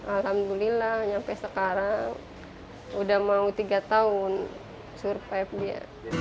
alhamdulillah sampai sekarang udah mau tiga tahun survive dia